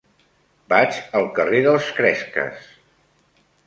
Vaig al carrer dels Cresques.